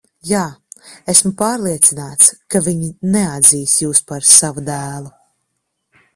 Jā, esmu pārliecināts, ka viņi neatzīs jūs par savu dēlu.